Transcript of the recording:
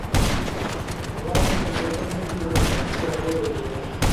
اغا زه په شپږم صنف کې له مکتب څخه راوګرځولم.